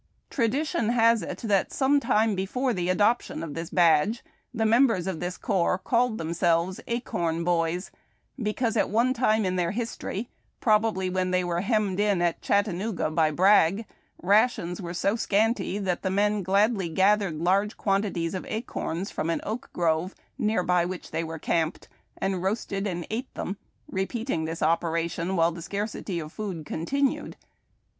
Tradition lias it that some time before the adoption of this badge the members of this corps called themselves Acorn Boi/s, because at one time in their history, probably wlien they were hemmed in at Chattanooga by Bragg, rations were so scanty that the men gladly gathered large quantities of acorns from an oak grove, near by which they were camped, and roasted and ate them, repeating this operation while the scarcity of food continued.